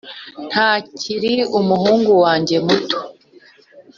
ntakiri umuhungu wanjye muto